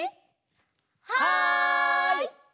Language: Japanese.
はい！